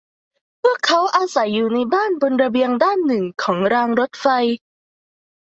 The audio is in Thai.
พวกเขาอาศัยอยู่ในบ้านบนระเบียงด้านหนึ่งของรางรถไฟ